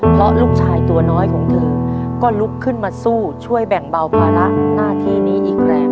เพราะลูกชายตัวน้อยของเธอก็ลุกขึ้นมาสู้ช่วยแบ่งเบาภาระหน้าที่นี้อีกแรง